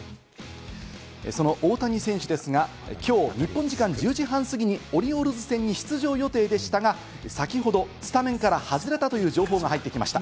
その大谷選手ですが、きょう日本時間１０時半過ぎにオリオールズ戦に出場予定でしたが、先ほどスタメンから外れたという情報が入ってきました。